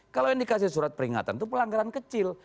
kalau yang dikasih surat peringatan itu pelanggaran kecil